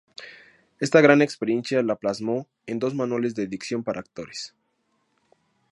Esta gran experiencia la plasmó en dos manuales de dicción para actores.